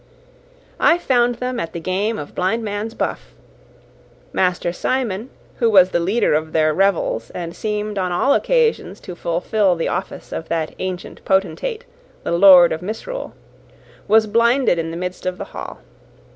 I found them at the game of blind man's buff. Master Simon, who was the leader of their revels, and seemed on all occasions to fulfil the office of that ancient potentate, the Lord of Misrule,* was blinded in the midst of the hall.